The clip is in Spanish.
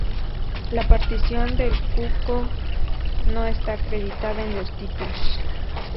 La participación de Cukor no está acreditada en los títulos.